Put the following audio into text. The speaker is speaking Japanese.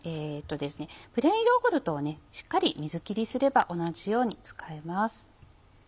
プレーンヨーグルトをしっかり水きりすれば同じように使えます。